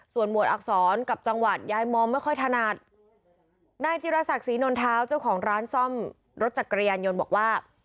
ส่วนหมวดอักษรกับจังหวัดยายมองไม่ค่อยถนัดนายจิรษักศรีนนเท้าเจ้าของร้านซ่อมรถจักรยานยนต์บอกว่า